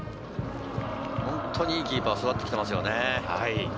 ホントにいいキーパーが育ってきていますよね。